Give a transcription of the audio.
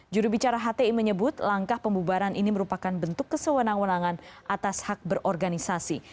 jurubicara hti menyebut langkah pembubaran ini merupakan bentuk kesewenang wenangan atas hak berorganisasi